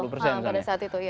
betul pada saat itu iya